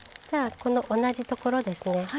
じゃあこの同じところですね。